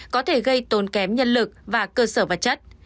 có thể gây tốn kém nhân lực và cơ sở vật chất